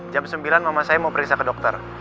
jam sembilan mama saya mau periksa ke dokter